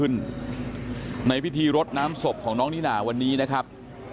ในพิธีรดน้ำศพของน้องนิน่าวันนี้นะครับ